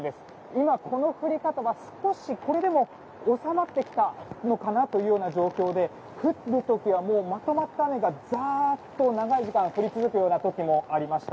今、この降り方はこれでも収まってきたのかなという状況で降っているときはまとまった雨がざっと長い時間降り続く時もありました。